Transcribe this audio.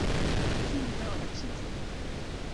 Iyya ad tt-nexdem!